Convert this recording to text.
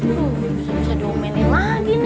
aduh bisa bisa diomenin lagi nih